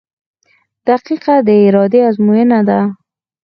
• دقیقه د ارادې ازموینه ده.